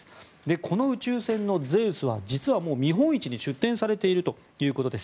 この宇宙船のゼウスは実はもう見本市に出展されているということです。